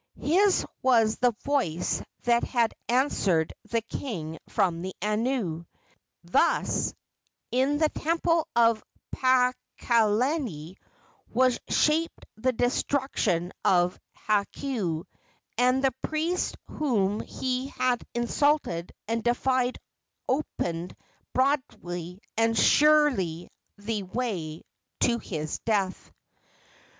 His was the voice that had answered the king from the anu. Thus in the temple of Paakalani was shaped the destruction of Hakau, and the priests whom he had insulted and defied opened broadly and surely the way to his death.